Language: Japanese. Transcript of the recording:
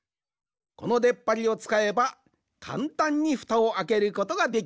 このでっぱりをつかえばかんたんにふたをあけることができるんじゃ。